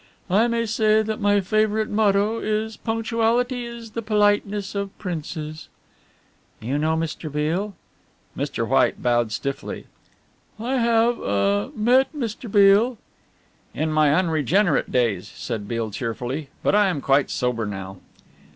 I may say that my favourite motto is 'Punctuality is the politeness of princes." "You know Mr. Beale?" Mr. White bowed stiffly. "I have ah met Mr. Beale." "In my unregenerate days," said Beale cheerfully, "but I am quite sober now."